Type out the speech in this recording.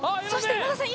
今田さん